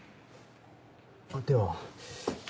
では。